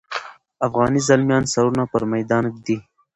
افغاني زلمیان سرونه پر میدان ږدي.